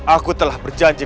aku telah berjanji